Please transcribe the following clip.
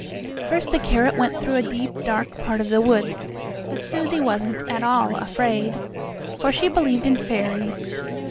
First the carrot went through a deep, dark part of the woods, but Susie wasn't at all afraid, for she believed in fairies.